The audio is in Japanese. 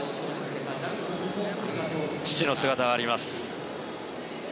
父の姿があります。